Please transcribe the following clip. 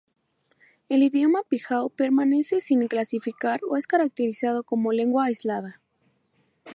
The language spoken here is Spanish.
El idioma pijao permanece sin clasificar o es caracterizado como lengua aislada.